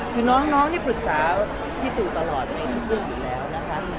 คือน้องน้องเนี้ยปรึกษาที่ตู่ตลอดในทุกเรื่องทุกแล้วนะฮะ